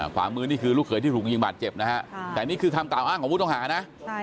ขวามือนี่คือลูกเขยที่ถูกยิงบาดเจ็บนะฮะแต่นี่คือคำกล่าวอ้างของผู้ต้องหานะ